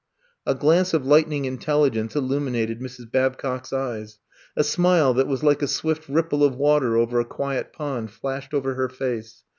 A glance of lightning intelligence illum inated Mrs. Babcock's eyes; a smile that was like a swift ripple of water over a quiet pond flashed over her face.